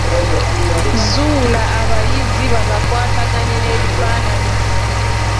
Zuula abayizi bagakwataganye n’ebifaananyi.